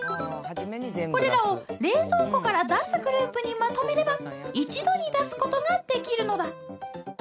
これらを「冷蔵庫から出す」グループにまとめれば一度に出すことができるのだ。